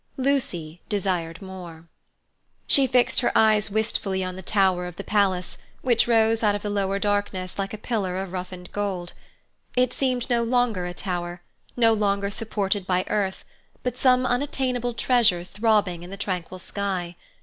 Lucy desired more. She fixed her eyes wistfully on the tower of the palace, which rose out of the lower darkness like a pillar of roughened gold. It seemed no longer a tower, no longer supported by earth, but some unattainable treasure throbbing in the tranquil sky.